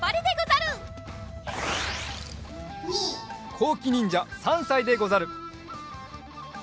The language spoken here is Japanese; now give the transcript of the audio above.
こうきにんじゃ３さいでござる。